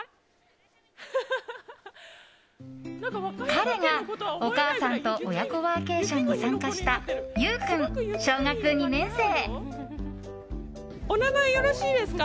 彼が、お母さんと親子ワーケーションに参加した由宇君、小学２年生。